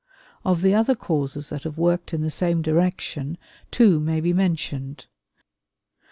Of the other causes that have worked in the same direction, two may be mentioned.